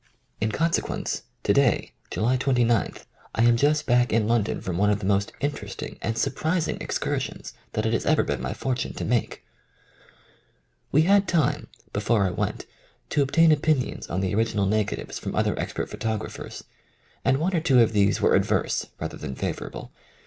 In consequence, to day, July 29, 1 am just back in London from one of the most inter esting and surprising excursions that it has ever been my fortune to make I We had time, before I went, to obtain opin ions on the original negatives from other ex pert photographers, and one or two of these were adverse rather than favourable.